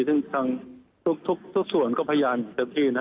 หรือททุกส่วนก็พยานอย่างเต็มที่นะ